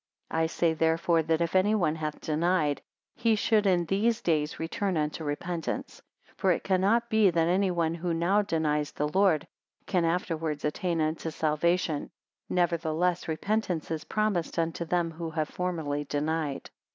224 I say therefore that if any one hath denied, he should in these days return unto repentance; for it cannot be that anyone who now denies the Lord, can afterwards attain unto salvation nevertheless repentance is promised unto them who have formerly denied.